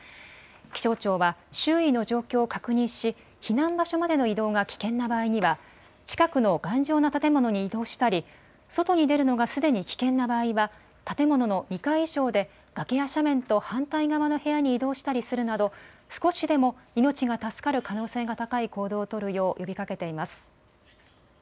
気象庁は、周囲の状況を確認し、避難場所までの移動が危険な場合には、近くの頑丈な建物に移動したり、外に出るのがすでに危険な場合は、建物の２階以上で、崖や斜面と反対側の部屋に移動したりするなど、少しでも命が助かる可能性が高い行動を取るよう呼びかけています。